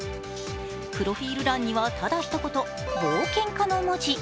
プロフィール欄にはただひと言、「冒険家」の文字。